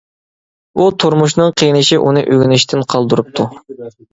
ئۇ تۇرمۇشنىڭ قىينىشى ئۇنى ئۆگىنىشتىن قالدۇرۇپتۇ.